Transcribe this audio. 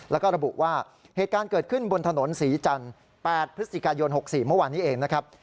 แล้วก็ระบุว่าเหตุการณ์เกิดขึ้นบนถนนศรีจันทร์๘พฤศจิกายน๖๔เมื่อวานนี้เองนะครับ